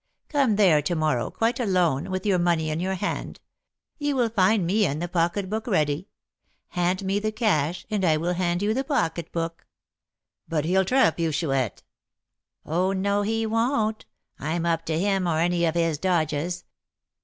Come there to morrow, quite alone, with your money in your hand; you will find me and the pocketbook ready. Hand me the cash, and I will hand you the pocketbook." "But he'll trap you, Chouette." "Oh, no, he won't; I'm up to him or any of his dodges.